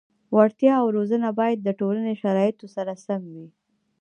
وړتیا او روزنه باید د ټولنې شرایطو سره سم وي.